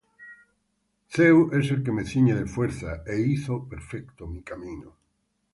Dios es el que me ciñe de fuerza, E hizo perfecto mi camino;